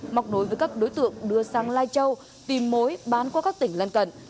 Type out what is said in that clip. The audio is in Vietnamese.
mọc nối với các đối tượng đưa sang lai châu tìm mối bán qua các tỉnh lân cận